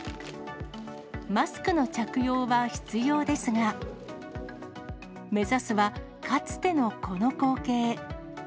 マスクの着用は必要ですが、目指すはかつてのこの光景。